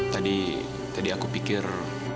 tadi tadi aku pikir